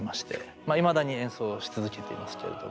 いまだに演奏し続けていますけれども。